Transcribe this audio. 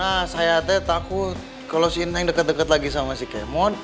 nah saya teh takut kalau si neng dekat dekat lagi sama si kemot